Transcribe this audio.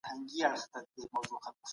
زه هر وخت هڅه کوم چي سم تصميم ونيسم.